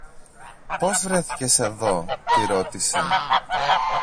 Πώς βρέθηκες εδώ; τη ρώτησε.